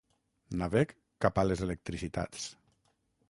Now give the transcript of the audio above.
Naveg cap a les electricitats.